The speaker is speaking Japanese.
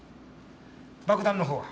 爆弾の方は？